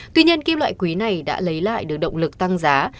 tuy nhiên kim loại quý này đã lấy lại được động lực tăng giá